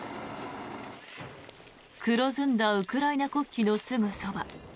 黒ずんだウクライナ国旗のすぐそば